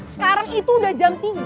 sekarang itu udah jam tiga